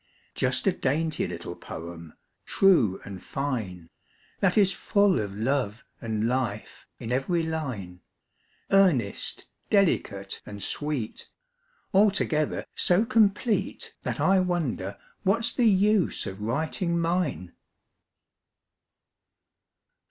Just a dainty little poem, true and fine, That is full of love and life in every line, Earnest, delicate, and sweet, Altogether so complete That I wonder what's the use of writing mine.